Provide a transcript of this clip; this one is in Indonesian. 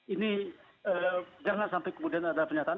ini jangan sampai kemudian ada pernyataan